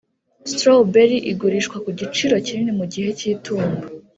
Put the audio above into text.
] strawberry igurishwa ku giciro kinini mu gihe cy'itumba.